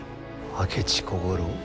明智小五郎？